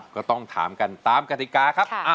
ก็ต้องถามกันตามกติกาครับ